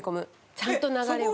ちゃんと流れを。